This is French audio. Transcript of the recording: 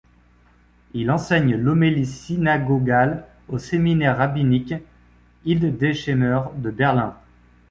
Il enseigne l'Homélie synagogale au Séminaire rabbinique Hildesheimer de Berlin.